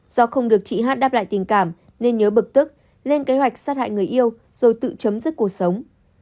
do không được chị hát đáp lại tình cảm nên nhớ bực tức lên kế hoạch sát hại người yêu rồi tự chấm dứt cuộc sống